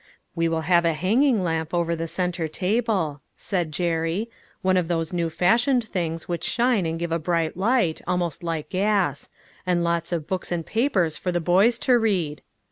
" We will have a hanging lamp over the centre table," said Jerry. " One of those new fashioned things which shine and give a bright light, almost like gas ; and lots of books and papers for the boys to read."